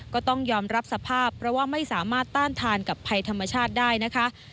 ก็ต้องยอมรับสภาพเพราะว่าไม่สามารถต้านทานกับภัยธรรมชาติได้นะคะ